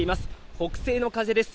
北西の風です。